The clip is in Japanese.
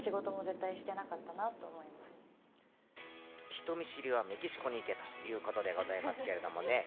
人見知りはメキシコに行けということでございますけどね。